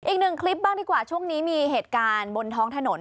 อีกหนึ่งคลิปบ้างดีกว่าช่วงนี้มีเหตุการณ์บนท้องถนน